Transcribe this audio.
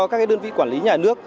các đơn vị quản lý nhà nước